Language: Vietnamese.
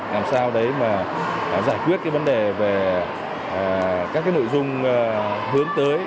làm sao đấy mà giải quyết cái vấn đề về các cái nội dung hướng tới